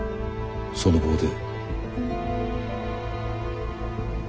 その棒で。